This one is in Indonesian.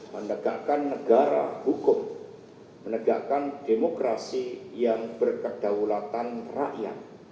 menegakkan negara hukum menegakkan demokrasi yang berkedaulatan rakyat